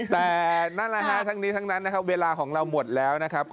แต่นั่นแหละฮะทั้งนี้ทั้งนั้นนะครับเวลาของเราหมดแล้วนะครับ